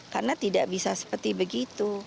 karena tidak bisa seperti begitu